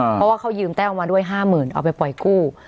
เพราะว่าเขายืมแต้วมาด้วย๕๐๐๐เอาไปปล่อยกู้